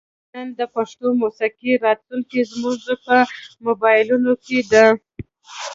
نن د پښتو موسیقۍ راتلونکې زموږ په موبایلونو کې ده.